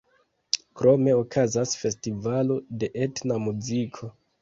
Krome okazas festivalo de etna muziko.